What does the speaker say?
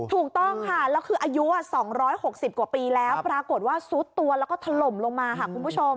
ถูกต้องค่ะแล้วคืออายุ๒๖๐กว่าปีแล้วปรากฏว่าซุดตัวแล้วก็ถล่มลงมาค่ะคุณผู้ชม